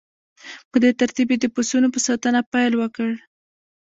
په دې ترتیب یې د پسونو په ساتنه پیل وکړ